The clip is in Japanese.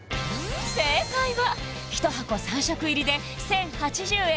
正解は１箱３食入りで１０８０円